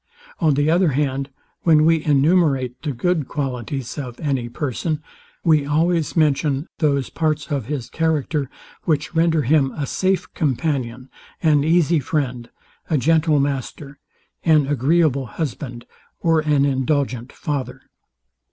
On the other hand, when we enumerate the good qualities of any person, we always mention those parts of his character, which render him a safe companion, an easy friend, a gentle master, an agreeable husband, or an indulgent father.